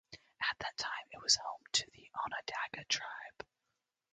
At that time it was home to the Onondaga tribe.